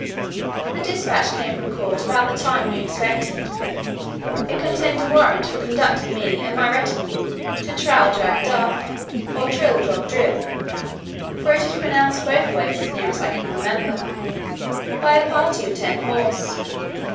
The despatch came from court about the time we expected. It contained a warrant for conducting me and my retinue to Traldragdubh, or Trildrogdrib (for it is pronounced both ways as near as I can remember), by a party of ten horse.